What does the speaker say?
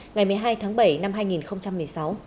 ngày một mươi hai tháng bảy năm hai nghìn một mươi sáu